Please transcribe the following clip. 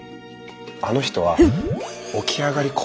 あの人は起き上がりこぼしです。